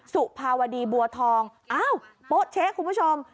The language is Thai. สุภาวดีบัวทองอ้าวโป๊ะเช๊ะคุณผู้ชม